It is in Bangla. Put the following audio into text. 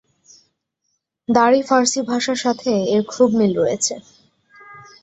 দারি ফার্সি ভাষার সাথে এর খুব মিল রয়েছে।